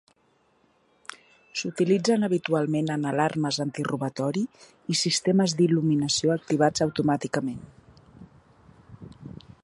S'utilitzen habitualment en alarmes antirobatori i sistemes d'il·luminació activats automàticament.